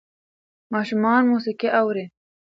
ماشومان موسیقي اوري.